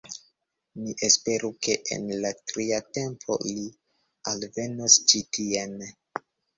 Ni esperu ke en la tria tempo li alvenos ĉi tien